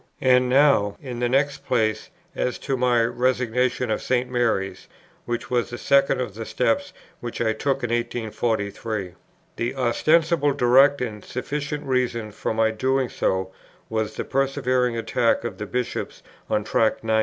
And now, in the next place, as to my Resignation of St. Mary's, which was the second of the steps which I took in 1843. The ostensible, direct, and sufficient reason for my doing so was the persevering attack of the Bishops on Tract 90.